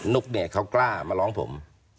ุ๊กเดชเขากล้ามาร้องผม